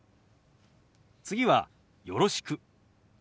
次は「よろしく」。